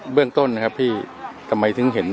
เรื่องต้นนะครับพี่ทำไมถึงเห็น